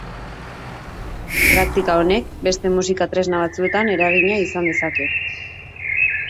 Praktika honek, beste musika tresna batzuetan eragina izan dezake.